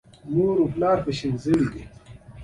خدایه ما له داسې غضبونو وژغوره.